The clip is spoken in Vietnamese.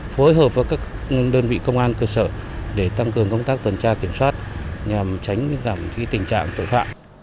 phối hợp với các đơn vị công an cơ sở để tăng cường công tác tuần tra kiểm soát nhằm tránh giảm tình trạng tội phạm